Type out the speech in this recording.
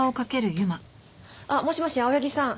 もしもし青柳さん